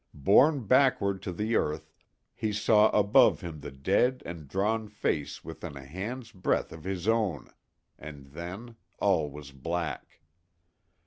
Borne backward to the earth, he saw above him the dead and drawn face within a hand's breadth of his own, and then all was black.